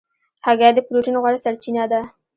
هګۍ د پروټین غوره سرچینه ده.